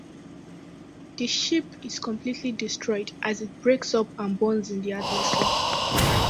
The ship is completely destroyed as it breaks up and burns in the atmosphere.